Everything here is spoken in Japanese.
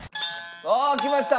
あきました。